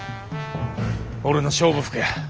俺の勝負服や。